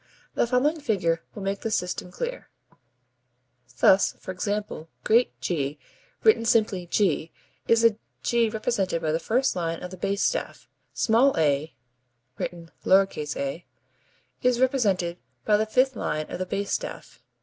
The following figure will make this system clear: [Illustration: Fig. 29.] Thus e.g., "great G" (written simply G), is the G represented by the first line of the bass staff. Small A (written a), is represented by the fifth line of the bass staff.